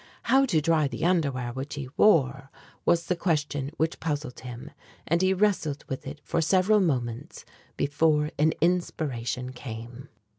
How to dry the underwear which he wore was the question which puzzled him, and he wrestled with it for several moments before an inspiration came.